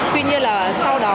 tuy nhiên là sau đó